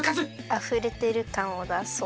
あふれてるかんをだそう。